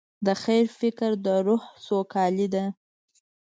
د خیر فکر د روح سوکالي ده.